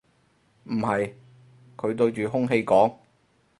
唔係，佢對住空氣講